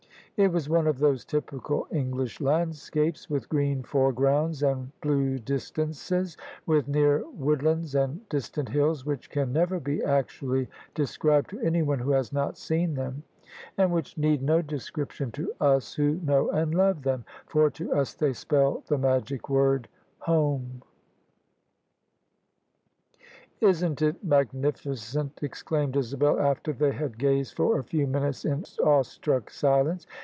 It was one of those typical English landscapes — with green foregrounds and blue distances, with near wood lands and distant hills — ^which can never be actually de scribed to anyone who has not seen them; and which need no description to us who know and love them, for to us they spell the magic word home. "Isn't it magnificent?" exclaimed Isabel after they had gazed for a few minutes in awestruck silence.